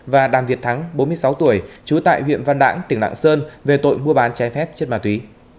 và đàm việt thắng bốn mươi sáu tuổi trú tại huyện văn lãng tỉnh lạng sơn về tội mua bán trái phép chất ma túy